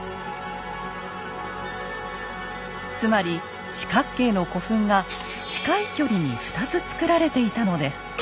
つまり四角形の古墳が近い距離に２つつくられていたのです。